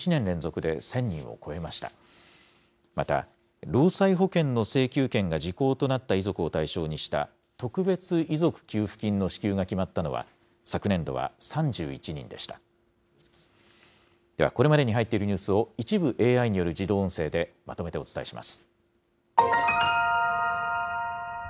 ではこれまでに入っているニュースを、一部ＡＩによる自動音声でまとめてお伝えします。